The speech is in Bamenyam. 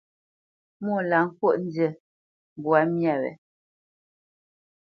Mwô lâ ŋkwóʼ nzi mbwǎ myâ wě.